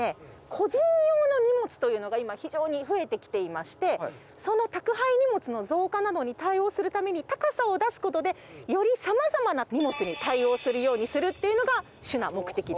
個人用の荷物というのが今非常に増えてきていましてその宅配荷物の増加などに対応するために高さを出すことでよりさまざまな荷物に対応するようにするっていうのが主な目的です。